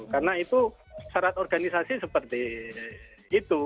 karena itu syarat organisasi seperti itu